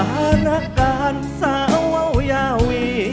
เมื่อการสาวเว้วยาวี